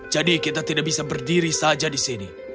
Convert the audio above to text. jadi kita tidak bisa berdiri saja di sini